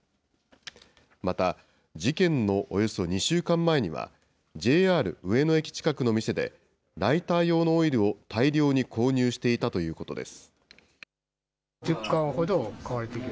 また、事件のおよそ２週間前には、ＪＲ上野駅近くの店で、ライター用のオイルを大量に購入していたということです。